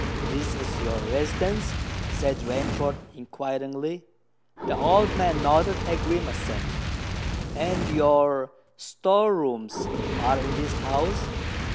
"This is your residence?" said Rainford inquiringly. The old man nodded a grim assent. "And your store rooms are in this house?